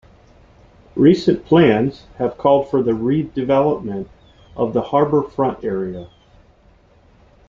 Recent plans have called for the redevelopment of the harbor front area.